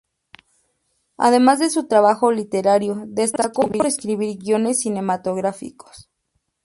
Además de su trabajo literario, destacó por escribir guiones cinematográficos.